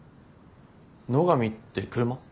野上って車？